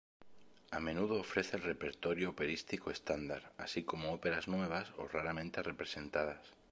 A menudo ofrece el repertorio operístico estándar, así como óperas nuevas o raramente representadas.